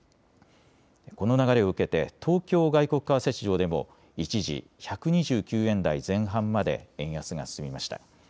この流れを受けて東京外国為替市場でも一時、１２９円台前半まで円安が進みました。